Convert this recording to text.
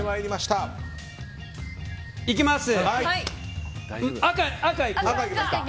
赤いきます。